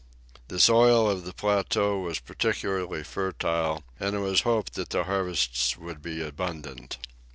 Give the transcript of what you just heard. The soil on the plateau was particularly fertile, and it was hoped that the harvests would be abundant.